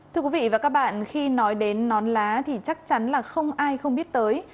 thưa quý vị và các bạn khi nói đến nón lá thì chắc chắn là không ai không biết tới